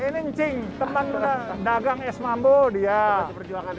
ini ncing teman dagang es mambu dia